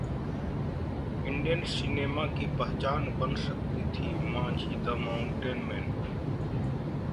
Indian cinema की पहचान बन सकती थी 'मांझी-द माउंटेन मैन'